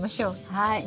はい。